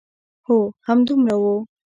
هو، همدومره و.